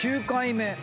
９回目。